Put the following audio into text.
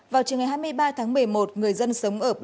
vào chiều ngày hai mươi ba tháng một mươi một người dân sống ở bình thuận